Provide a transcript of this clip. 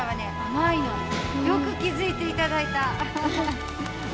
よく気づいていただいた。